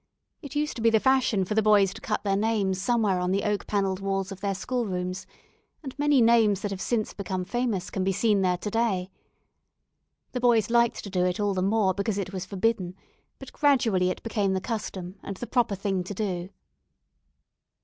It used to be the fashion for the boys to cut their names somewhere on the oak panelled walls of their schoolrooms, and many names that have since become famous can be seen there to day. The boys liked to do it all the more, because it was forbidden, but gradually it became the custom, and the proper thing to do.